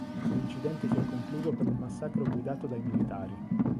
L'incidente si è concluso con un massacro guidato dai militari.